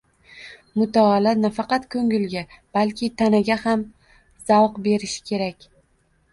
Mutolaa nafaqat koʻngilga, balki tanaga ham zavq berishi kerak